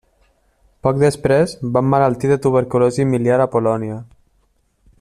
Poc després va emmalaltir de tuberculosi miliar a Polònia.